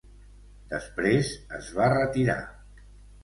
Després es va retirar.